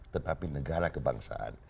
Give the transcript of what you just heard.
tetapi negara kebangsaan